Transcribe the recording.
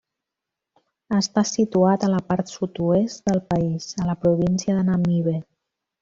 Està situat a la part sud-oest del país, a la província de Namibe.